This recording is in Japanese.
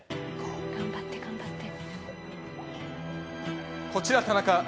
頑張って頑張って。